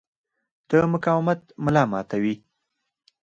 د مقاومت ملا ماتوي.